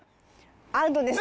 アウトです。